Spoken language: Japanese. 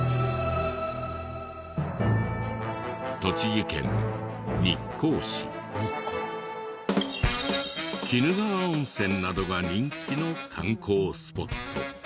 栃木県日光市。などが人気の観光スポット。